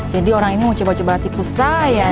jadi orang ini mau coba coba tipu saya